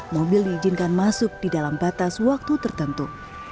mobil diizinkan masuk di dalam batas waktu tertentu